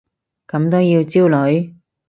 咁都要焦慮？